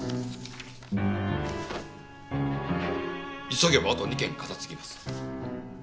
急げばあと２件片付きます。